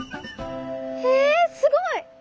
えすごい。